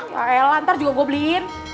ya elah ntar juga gue beliin